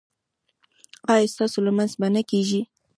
ایا ستاسو لمونځ به نه کیږي؟